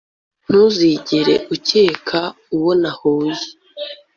Ntuzigera ukeka uwo nahuye